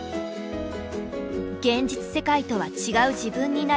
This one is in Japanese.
現実世界とは違う自分になれる演劇。